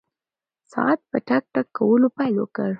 ساعت په ټک ټک کولو پیل وکړ.